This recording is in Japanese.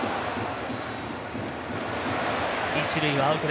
一塁はアウト。